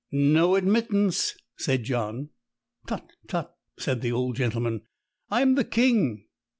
"No admittance," said John. "Tut, tut!" said the old gentleman. "I'm the King."